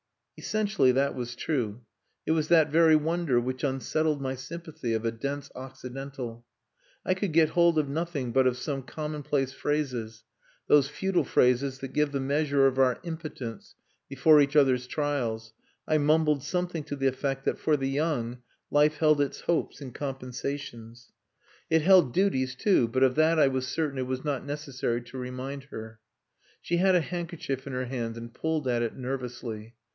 Essentially that was true. It was that very wonder which unsettled my sympathy of a dense Occidental. I could get hold of nothing but of some commonplace phrases, those futile phrases that give the measure of our impotence before each other's trials I mumbled something to the effect that, for the young, life held its hopes and compensations. It held duties too but of that I was certain it was not necessary to remind her. She had a handkerchief in her hands and pulled at it nervously.